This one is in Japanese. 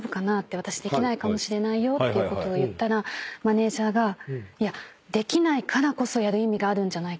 私できないかもしれないよってことを言ったらマネジャーが「できないからこそやる意味があるんじゃないか」